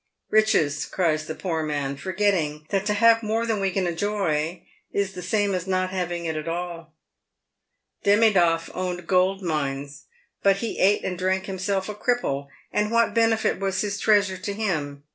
Eiches," cries the poor man, forgetting that to have more than we can enjoy is the same as not having it at all. Demidoff owned gold mines, but he eat and drank himself a cripple, and what benefit' was his treasure to him